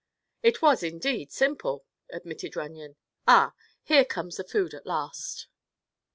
"It was, indeed, simple," admitted Runyon. "Ah! here comes food at last."